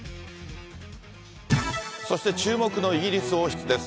そして、注目のイギリス王室です。